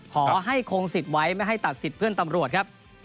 ขอให้คงสิทธิ์ไว้ไม่ให้ตัดสิทธิ์เพื่อนตำรวจครับ